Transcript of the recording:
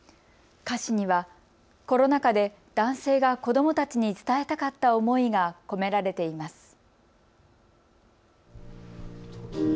歌詞にはコロナ禍で男性が子どもたちに伝えたかった思いが込められています。